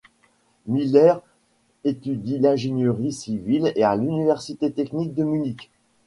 Miller étudie l'ingénierie civile à l'université technique de Munich.